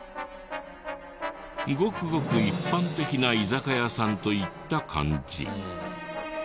ごくごく一般的な居酒屋さんといった感じ。